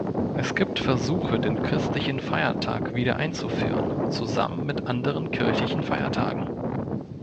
Es gibt Versuche, den christlichen Feiertag wieder einzuführen, zusammen mit anderen kirchlichen Feiertagen.